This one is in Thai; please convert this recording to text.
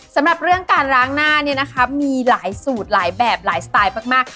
สำหรับเรื่องการล้างหน้าเนี่ยนะคะมีหลายสูตรหลายแบบหลายสไตล์มาก